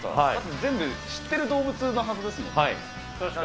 全部知ってる動物のはずですもんね。